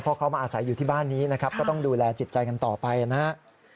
เพราะเขามาอาศัยอยู่ที่บ้านนี้นะครับก็ต้องดูแลจิตใจกันต่อไปนะครับ